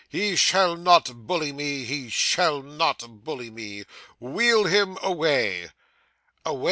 He shall not bully me he shall not bully me. Wheel him away.